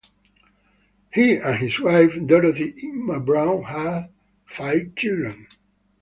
He and his wife, Dorothy Inman Brown, had five children.